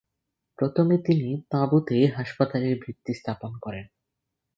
প্রথমে তিনি তাঁবুতে হাসপাতালের ভিত্তি স্থাপন করেন।